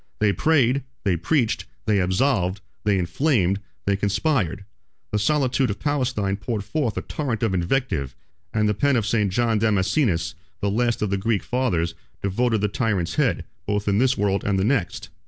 They prayed, they preached, they absolved, they inflamed, they conspired; the solitude of Palestine poured forth a torrent of invective; and the pen of St. John Damascenus, 22 the last of the Greek fathers, devoted the tyrant's head, both in this world and the next.